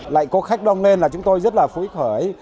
lại có khách đông lên là chúng tôi rất là phúy khởi